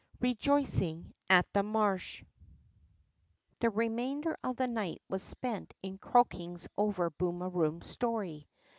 REJOICING AT THE MARSH T he reiHainder of the night was spent in croakings over Booni a Eooin's story.